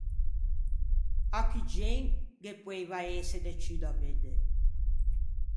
À Cuggen ghe poeiva ëse de ciù da vedde!